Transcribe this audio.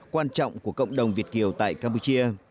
quan trọng của cộng đồng việt kiều tại campuchia